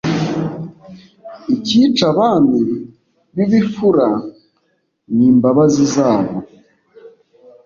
Ikica abami bibifura nimbabazi zabo